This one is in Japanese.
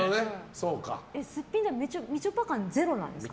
すっぴんでみちょぱ感ゼロなんですか？